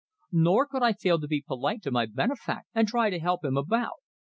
Nor could I fail to be polite to my benefactor, and try to help him about.